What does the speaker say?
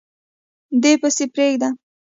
دی پسي پریږده